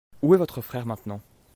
Où est votre frère maintenant ?